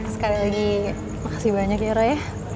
sekali lagi makasih banyak ya roy